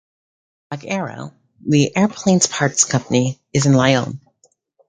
Wag-Aero, the aircraft parts company, is in Lyons.